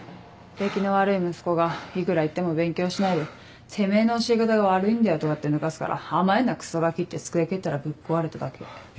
できの悪い息子がいくら言っても勉強しないで「てめぇの教え方が悪いんだよ」とかって抜かすから「甘えんなクソガキ！」って机蹴ったらぶっ壊れただけ。